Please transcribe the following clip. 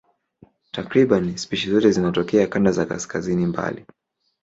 Takriban spishi zote zinatokea kanda za kaskazini mbali.